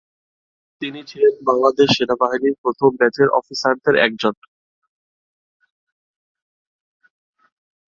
তিনি ছিলেন বাংলাদেশ সেনাবাহিনীর প্রথম ব্যাচের অফিসারদের একজন।